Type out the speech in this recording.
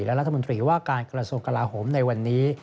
และรัฐมนตรีว่าการกระทรวงกลาโหมในวันนี้